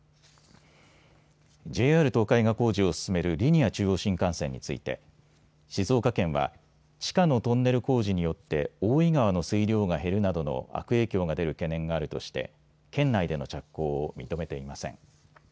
ＪＲ東海が工事を進めるリニア中央新幹線について静岡県は地下のトンネル工事によって大井川の水量が減るなどの悪影響が出る懸念があるとして県内での着工を認めていません。